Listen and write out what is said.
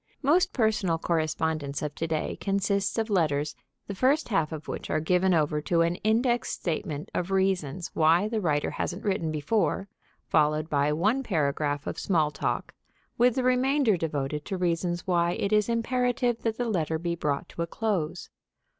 Most personal correspondence of to day consists of letters the first half of which are given over to an indexed statement of reasons why the writer hasn't written before, followed by one paragraph of small talk, with the remainder devoted to reasons why it is imperative that the letter be brought to a close.